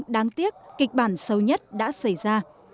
đáng tiếc kịch bản sâu nhất đã xảy ra